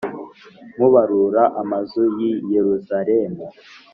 mubarura amazu y’i Yeruzalemu,